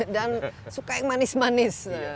dan suka yang manis manis